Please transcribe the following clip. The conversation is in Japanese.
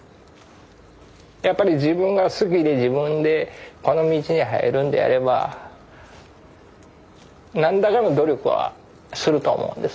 やっぱり自分が好きで自分でこの道に入るんであれば何らかの努力はすると思うんです。